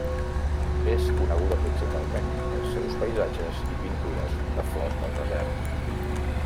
És coneguda principalment pels seus paisatges i pintures de flors del desert.